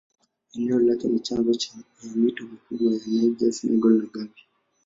Eneo lake ni chanzo ya mito mikubwa ya Niger, Senegal na Gambia.